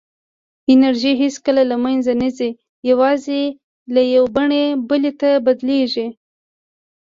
انرژي هېڅکله له منځه نه ځي، یوازې له یوې بڼې بلې ته بدلېږي.